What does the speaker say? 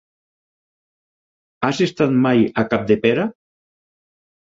Has estat mai a Capdepera?